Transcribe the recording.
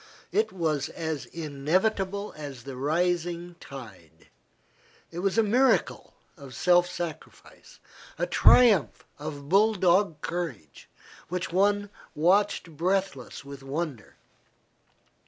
It was as inevitable as the rising tide. It was a miracle of self sacrifice, a triumph of bull dog courage, which one watched breathless with wonder.